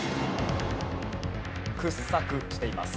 掘削しています。